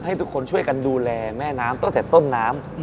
ให้ทุกคนช่วยกันดูแลแม่น้ำตั้งแต่ต้นน้ำ